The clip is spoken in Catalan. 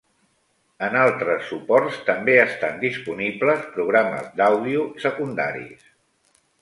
En altres suports també estan disponibles programes d'àudio secundaris.